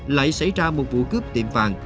lại xảy ra một vụ cướp tiệm phạm